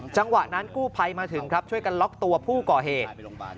จังหวะนั้นกู้ภัยมาถึงครับช่วยกันล็อกตัวผู้ก่อเหตุ